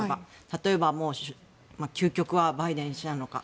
例えば究極はバイデン氏なのか。